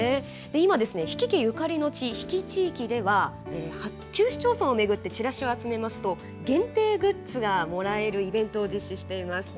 今、比企家ゆかりの地比企地域では９市町村を巡ってチラシを集めますと限定グッズがもらえるイベントを実施しています。